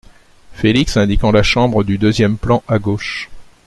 Félix , indiquant la chambre du deuxième plan à gauche.